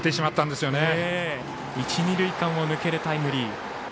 一、二塁間を抜けるタイムリー。